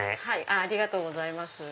ありがとうございます。